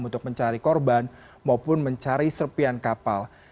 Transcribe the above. untuk mencari korban maupun mencari serpian kapal